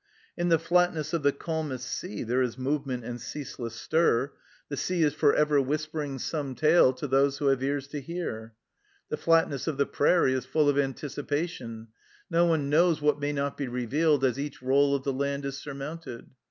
In the flatness of the calmest sea there is move ment and ceaseless stir ; the sea is for ever whisper 14 THE CELLAR HOUSE OF PERVYSE ing some tale to those who have ears to hear. The flatness of the prairie is full of anticipation; no one knows what may not be revealed as each roll of the land is surmounted.